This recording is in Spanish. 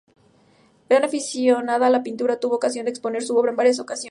Gran aficionada a la pintura tuvo ocasión de exponer su obra en varias ocasiones.